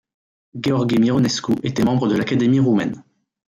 Gheorghe Mironescu était membre de l'Académie roumaine.